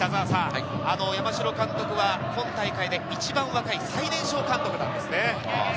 山城監督は今大会で一番若い、最年少監督なんですね。